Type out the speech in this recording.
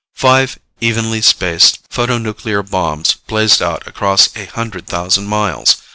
Five evenly spaced photonuclear bombs blazed out across a hundred thousand miles.